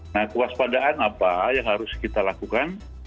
nah kewaspadaan apa yang harus kita lakukan